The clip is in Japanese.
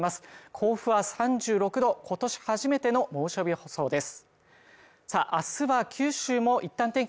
甲府は３６度今年初めての猛暑日の予想です。